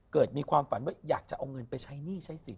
มีความฝันว่าอยากจะเอาเงินไปใช้หนี้ใช้สิน